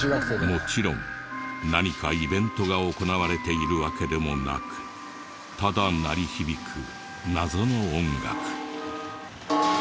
もちろん何かイベントが行われているわけでもなくただ鳴り響く謎の音楽。